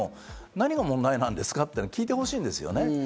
何が問題なんですか？って聞いてほしいんですよね。